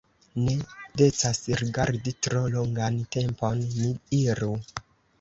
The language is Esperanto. Ne decas rigardi tro longan tempon, ni iru!